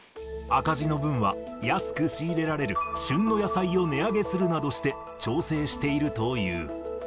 赤字の分は、安く仕入れられる旬の野菜を値上げするなどして、調整しているという。